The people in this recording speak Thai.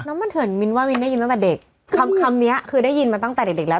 น้ำมันเถื่อนมินว่ามินได้ยินตั้งแต่เด็กคำเนี่ยคือได้ยินมาตั้งแต่เด็กแล้ว